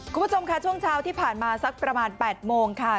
คุณผู้ชมค่ะช่วงเช้าที่ผ่านมาสักประมาณ๘โมงค่ะ